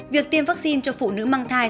việc tiêm vaccine cho phụ nữ mang thai